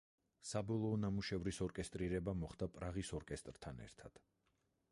საბოლოო ნამუშევრის ორკესტრირება მოხდა პრაღის ორკესტრთან ერთად.